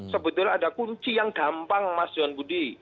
sebetulnya ada kunci yang gampang mas johan budi